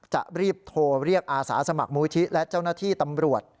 จะรีบโทรเรียกอาสาสมัครมูลที่และเจ้าหน้าที่ตำรวจ